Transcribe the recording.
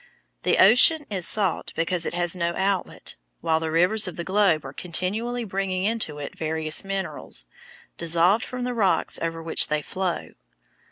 The ocean is salt because it has no outlet, while the rivers of the globe are continually bringing into it various minerals, dissolved from the rocks over which they flow.